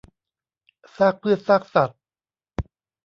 ซากพืชซากสัตว์